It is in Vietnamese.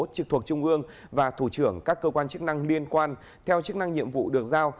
trực thuộc trung ương và thủ trưởng các cơ quan chức năng liên quan theo chức năng nhiệm vụ được giao